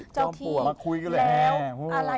เจ้าที่มาคุยกันเลย